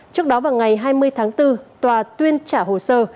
trước đó vào ngày hai mươi tháng bốn tòa tuyên trả hồ sơ